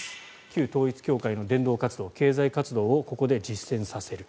旧統一教会の伝道活動経済活動をここで実践させる。